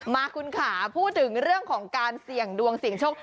มาคุณขาพูดถึงเรื่องของการเสี่ยงดวงเสี่ยงโชค